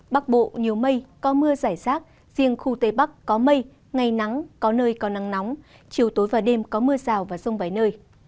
bắc bộ nhiều mây có mưa giải rác riêng khu tây bắc có mây ngày nắng có nơi có nắng nóng chiều tối và đêm có mưa rào và rông vài nơi